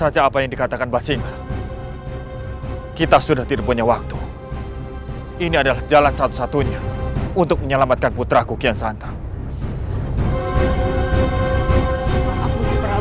lebih baik aku terus mencari kian santam